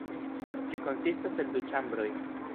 Ĝi konsistas el du ĉambroj.